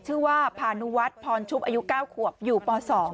พานุวัฒน์พรชุบอายุ๙ขวบอยู่ป๒